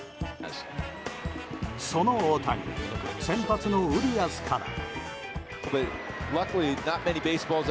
その大谷、先発のウリアスから。